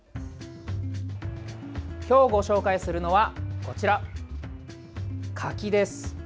今日ご紹介するのはこちら、柿です。